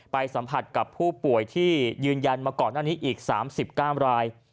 สัมผัสกับผู้ป่วยที่ยืนยันมาก่อนหน้านี้อีก๓๙ราย